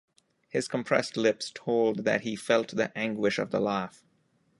His compressed lips told that he felt the anguish of the laugh.